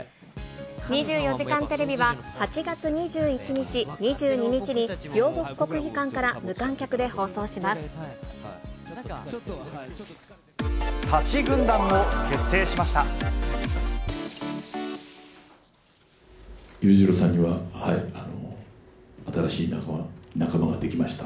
２４時間テレビは、８月２１日、２２日に、両国国技館から無舘軍団を結成しました。